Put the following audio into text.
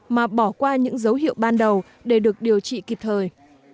mà bỏ qua những dấu hiệu ban đầu để được điều trị kịp thời